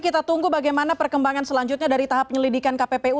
kita tunggu bagaimana perkembangan selanjutnya dari tahap penyelidikan kppu